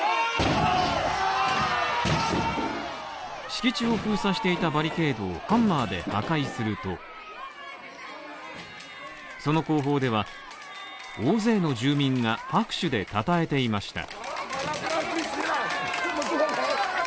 敷地を封鎖していたバリケードをハンマーで破壊するとその後方では大勢の住民が拍手でたたえていました。